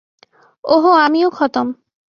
ওহো আমিও খতম!